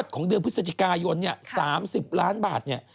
กายนเนี่ย๓๐ล้านบาทเนี่ย